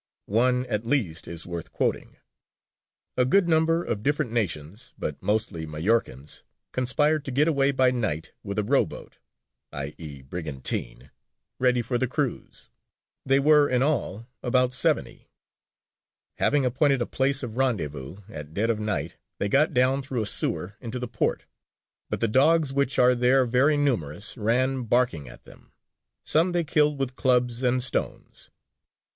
One at least is worth quoting: "A good number, of different nations, but mostly Majorcans, conspired to get away by night with a row boat [i.e., brigantine] ready for the cruise: they were in all about seventy. Having appointed a place of rendezvous, at dead of night they got down through a sewer into the port: but the dogs, which are there very numerous, ran barking at them; some they killed with clubs and stones.